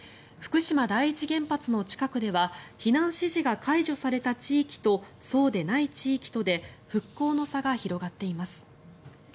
福島第一原発の近くでは避難指示が解除された地域とそうでない地域とで復興の差が広がっています。